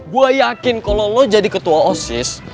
gue yakin kalau lo jadi ketua osis